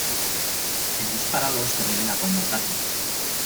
El disparador se revela como Tate.